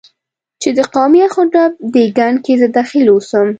چې د قومي اخ و ډب دې ګند کې زه دخیل اوسم،